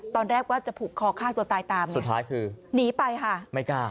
ตอนแรกว่าจะผูกคอฆ่าตัวตายตามสุดท้ายคือหนีไปค่ะไม่กล้า